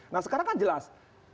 nah sekarang kan jelas